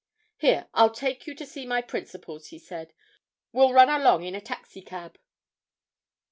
"Here, I'll take you to see my principals," he said. "We'll run along in a taxi cab."